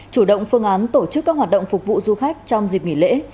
chủ động phương án tổ chức các hoạt động phục vụ du khách trong dịp nghỉ lễ